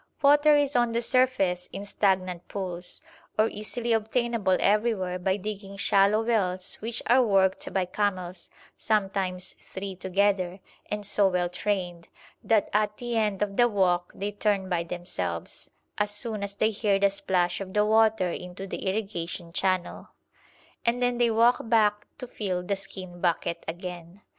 Water is on the surface in stagnant pools, or easily obtainable everywhere by digging shallow wells which are worked by camels, sometimes three together, and so well trained, that at the end of the walk they turn by themselves as soon as they hear the splash of the water into the irrigation channel, and then they walk back to fill the skin bucket again.